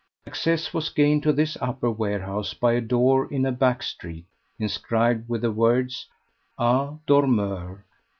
Access was gained to this upper warehouse by a door in a back street, inscribed with the words "A. Dormeur.